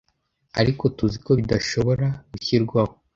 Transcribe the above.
Ariko tuzi ko bidashobora gushyirwaho